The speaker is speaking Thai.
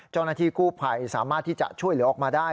เจ้าหน้าที่กู้ภัยสามารถที่จะช่วยเหลือออกมาได้